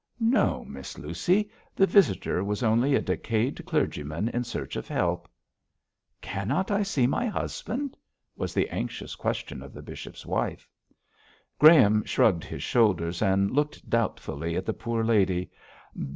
'No, Miss Lucy. The visitor was only a decayed clergyman in search of help.' 'Cannot I see my husband?' was the anxious question of the bishop's wife. Graham shrugged his shoulders, and looked doubtfully at the poor lady.